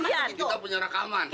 kita punya rekaman